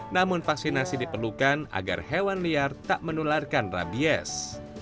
namun vaksinasi diperlukan agar hewan liar tak menularkan rabies